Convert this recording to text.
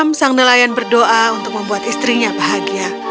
lalu setiap malam sang nelayan berdoa untuk membuat istrinya bahagia